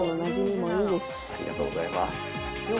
ありがとうございます。